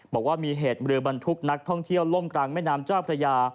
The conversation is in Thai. บอกว่ามีเหตุเรือบรรทุกนักท่องเที่ยวล่มกลางแม่น้ำเจ้าพระยา